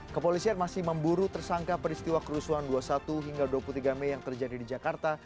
kepolisian masih memburu tersangka peristiwa kerusuhan dua puluh satu hingga dua puluh tiga mei yang terjadi di jakarta